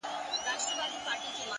د زړه سکون له روښانه وجدان راټوکېږي,